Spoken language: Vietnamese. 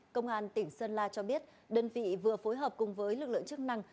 công an tỉnh sơn la cho biết đơn vị vừa phối hợp cùng với lực lượng chức năng